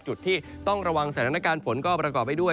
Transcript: จุดที่ต้องระวังสถานการณ์ฝนก็ประกอบไปด้วย